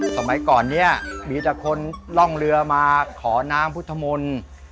สมัยก่อนนี้มีแต่คนร่องเรือมาขอน้ำพุทธมนต์